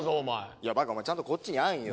いやバカお前ちゃんとこっちにあるよ。